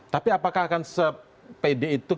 tapi apakah akan sepede itu